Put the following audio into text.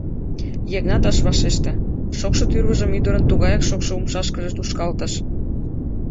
Йыгнат ыш вашеште, шокшо тӱрвыжым ӱдырын тугаяк шокшо умшашкыже тушкалтыш.